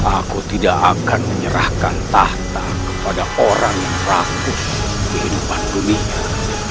aku tidak akan menyerahkan tahta kepada orang yang rapuh kehidupan dunia